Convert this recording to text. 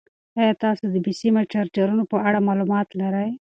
ایا تاسو د بې سیمه چارجرونو په اړه معلومات لرئ؟